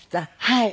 はい。